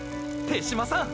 手嶋さん！！